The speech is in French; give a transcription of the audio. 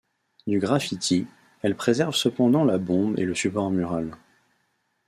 Du graffiti, elle préserve cependant la bombe et le support mural.